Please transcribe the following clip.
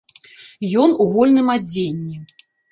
Ён у вольным адзенні.